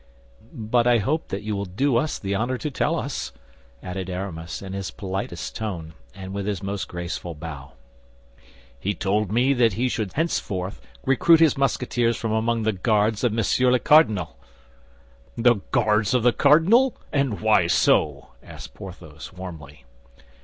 "But I hope that you will do us the honor to tell us," added Aramis, in his politest tone and with his most graceful bow. "He told me that he should henceforth recruit his Musketeers from among the Guards of Monsieur the Cardinal." "The Guards of the cardinal! And why so?" asked Porthos, warmly.